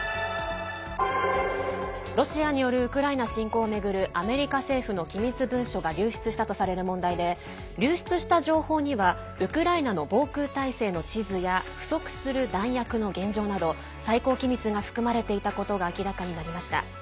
ロシアによるウクライナ侵攻を巡るアメリカ政府の機密文書が流出したとされる問題で流出した情報にはウクライナの防空体制の地図や不足する弾薬の現状など最高機密が含まれていたことが明らかになりました。